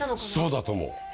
そうだと思う。